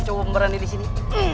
coba pemberani disini